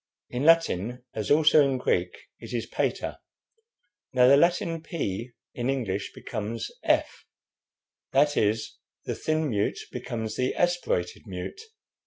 In Latin, as also in Greek, it is 'pater.' Now the Latin 'p' in English becomes 'f;' that is, the thin mute becomes the aspirated mute.